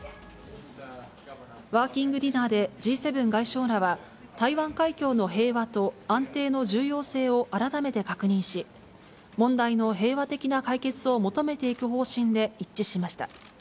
ワーキングディナーで、Ｇ７外相らは、台湾海峡の平和と安定の重要性を改めて確認し、問題の平和的な解決を求めていく方針で一致しました。